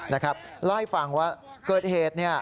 เล่าให้ฟังว่าเกิดเหตุ